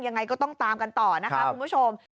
ยังไงก็ต้องตามกันต่อนะคะคุณผู้ชม